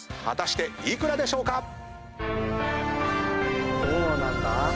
果たして幾らでしょうか？